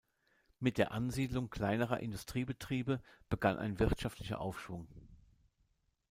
Mit der Ansiedlung kleinerer Industriebetriebe begann ein wirtschaftlicher Aufschwung.